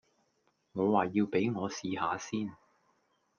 我話要畀我試吓先。